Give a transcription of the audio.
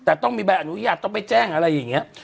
แต่ต้องมีใบอนุญาตต้องไปแจ้งอะไรอย่างนี้